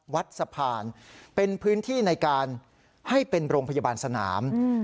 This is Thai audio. วัดสะพานเป็นพื้นที่ในการให้เป็นโรงพยาบาลสนาม